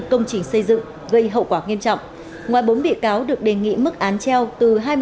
công trình xây dựng gây hậu quả nghiêm trọng ngoài bốn bị cáo được đề nghị mức án treo từ hai mươi bốn